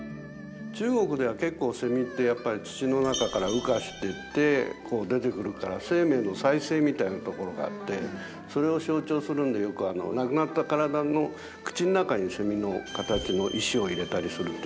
中国では結構セミってやっぱり土の中から羽化してってこう出てくるから生命の再生みたいなところがあってそれを象徴するんでよく亡くなった体の口の中にセミの形の石を入れたりするっていいますよね。